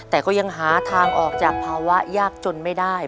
แต่ก็ยังหาทางออกจากภาวะยากจนไม่ได้